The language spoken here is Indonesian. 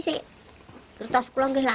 sekarang saya sudah sakit juga